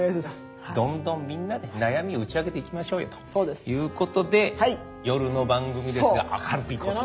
どんどんみんなで悩みを打ち明けていきましょうよということで夜の番組ですが明るくいこうと。